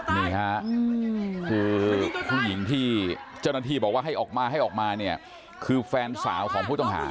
นี่ค่ะคือผู้หญิงที่เจ้าหน้าที่บอกว่าให้ออกมาให้ออกมาเนี่ยคือแฟนสาวของผู้ต้องหา